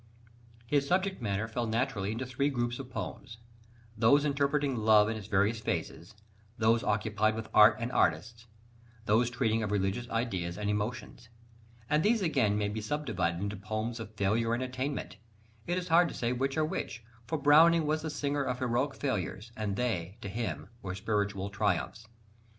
His subject matter fell naturally into three groups of poems: those interpreting love in its various phases, those occupied with art and artists, those treating of religious ideas and emotions. And these again may be subdivided into poems of failure and attainment: it is hard to say which are which, for Browning was the singer of heroic failures, and they, to him, were spiritual triumphs.